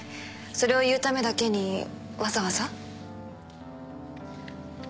それを言うためだけにわざわざ？